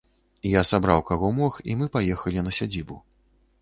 Я сабраў, каго мог, і мы паехалі на сядзібу.